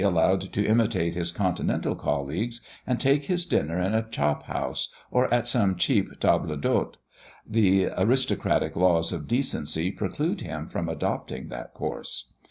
allowed to imitate his Continental colleagues, and take his dinner in a chop house, or at some cheap table d'hôte; the aristocratic laws of decency preclude him from adopting that course.